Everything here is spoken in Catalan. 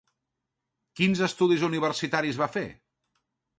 Quins estudis universitaris va fer?